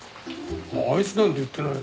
あいつなんて言ってないよ。